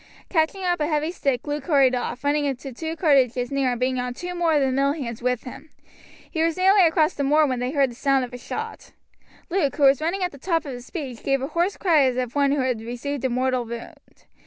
Catching up a heavy stick Luke hurried off, running into two cottages near and bringing on two more of the mill hands with him. He was nearly across the moor when they heard the sound of a shot. Luke, who was running at the top of his speed, gave a hoarse cry as of one who had received a mortal wound.